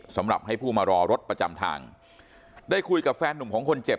สำหรับให้ผู้มารอรถประจำทางได้คุยกับแฟนหนุ่มของคนเจ็บ